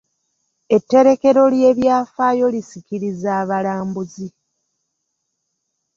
Etterekero ly'ebyafaayo lisikiriza abalambuzi.